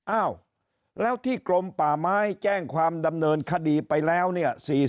อ้าวแล้วที่กรมป่าไม้แจ้งความดำเนินคดีไปแล้วเนี่ย